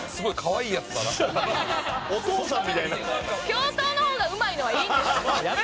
教頭の方がうまいのはいいんですって。